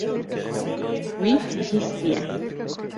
Wî bihîstiye.